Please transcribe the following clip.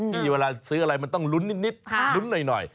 เวลาซื้ออะไรมันต้องลุ้นนิดลุ้นหน่อย